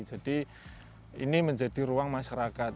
jadi ini menjadi ruang masyarakat